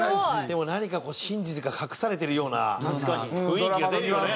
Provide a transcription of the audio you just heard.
でも何か真実が隠されてるような雰囲気が出るよね